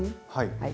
はい。